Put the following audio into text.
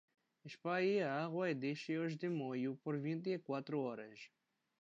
Espalhe a água e deixe-os de molho por vinte e quatro horas.